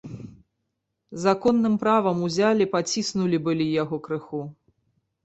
Законным правам узялі паціснулі былі яго крыху.